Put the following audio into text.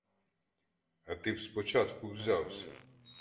А ти б спочатку взявся.